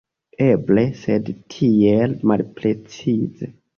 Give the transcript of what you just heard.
Eble, sed tiel malprecize.